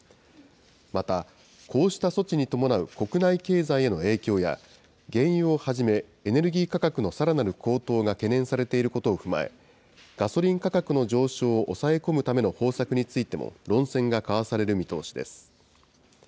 また、こうした措置に伴う国内経済への影響や、原油をはじめ、エネルギー価格のさらなる高騰が懸念されていることを踏まえ、ガソリン価格の上昇を抑え込むための方策についても、論戦が交わされる見通しです。